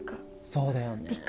そうだよね。